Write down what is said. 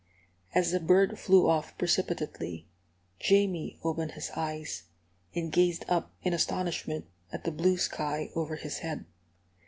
As the bird flew off precipitately, Jamie opened his eyes, and gazed up in astonishment at the blue sky over his head.